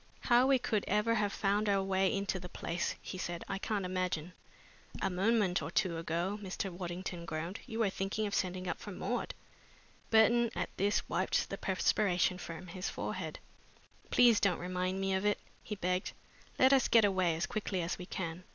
"How we could ever have found our way into the place," he said, "I can't imagine." "A moment or two ago," Mr. Waddington groaned, "you were thinking of sending up for Maud." Burton, at this, wiped the perspiration from his forehead. "Please don't remind me of it," he begged. "Let us get away as quickly as we can."